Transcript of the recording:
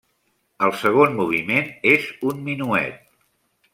El segon moviment és un minuet.